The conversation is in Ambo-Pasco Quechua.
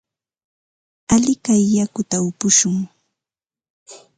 Alikay yakuta upushun.